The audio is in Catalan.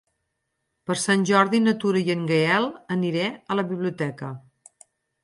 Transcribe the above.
Per Sant Jordi na Tura i en Gaël aniré a la biblioteca.